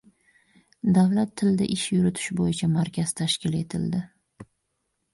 Davlat tilida ish yuritish bo‘yicha markaz tashkil etildi